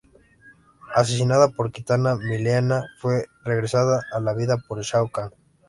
Asesinada por Kitana, Mileena fue regresada a la vida por Shao Kahn.